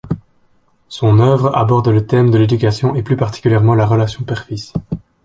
Son œuvre aborde le thème de l'éducation et plus particulièrement la relation père-fils.